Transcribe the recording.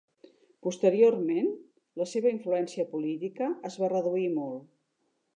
Posteriorment, la seva influència política es va reduir molt.